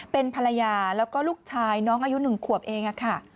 เป็นภรรยาแล้วก็ลูกชายน้องอายุ๑ขวบเองค่ะ